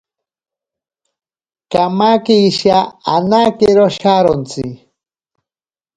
Kamake isha anakero sharontsi.